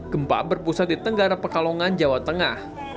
gempa berpusat di tenggara pekalongan jawa tengah